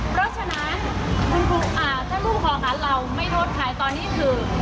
เพราะฉะนั้นคุณครูอ่าถ้าลูกของเราไม่โน้ทขายตอนนี้คือ